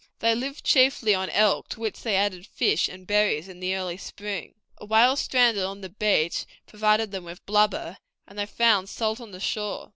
They lived chiefly on elk, to which they added fish and berries in the early spring. A whale stranded on the beach provided them with blubber, and they found salt on the shore.